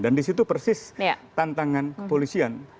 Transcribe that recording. dan di situ persis tantangan kepolisian